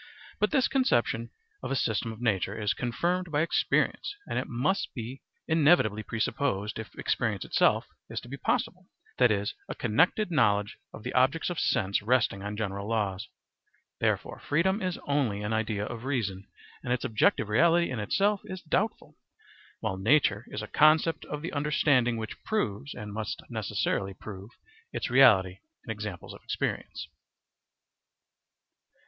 But this conception of a system of nature is confirmed by experience; and it must even be inevitably presupposed if experience itself is to be possible, that is, a connected knowledge of the objects of sense resting on general laws. Therefore freedom is only an idea of reason, and its objective reality in itself is doubtful; while nature is a concept of the understanding which proves, and must necessarily prove, its reality in examples of experience.